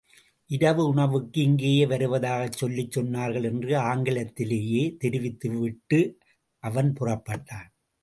இரவு உணவுக்கு இங்கேயே வருவதாகச் சொல்லச் சொன்னார்கள் என்று ஆங்கிலத்திலேயே தெரிவித்துவிட்டு அவன் புறப்பட்டான்.